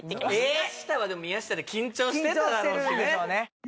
宮下はでも宮下で緊張してただろうしね